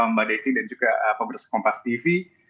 mbak desi dan juga pemirsa kompas tv